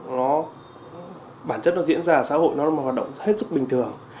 nó bản chất nó diễn ra xã hội nó là một hoạt động hết sức bình thường